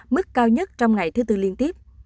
mức cao nhất trong ngày thứ tư liên tiếp